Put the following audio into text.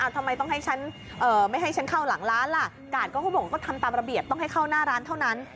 ทำไมต้องให้ฉันไม่ให้ฉันเข้าหลังร้านล่ะกาดก็เขาบอกว่าก็ทำตามระเบียบต้องให้เข้าหน้าร้านเท่านั้น